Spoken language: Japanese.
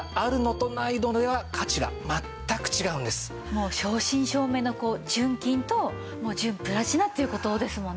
もう正真正銘の純金と純プラチナっていう事ですもんね？